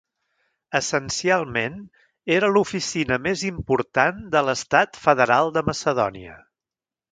Essencialment era l'oficina més important de l'estat federal de Macedonia.